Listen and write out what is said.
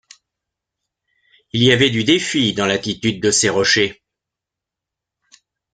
Il y avait du défi dans l’attitude de ces rochers.